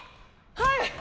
はい！